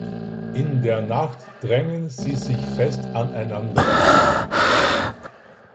In der Nacht drängen sie „sich fest aneinander“.